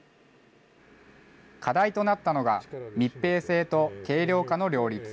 課題となったのが、密閉性と軽量化の両立。